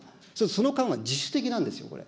その間は自主的なんですよ、これ。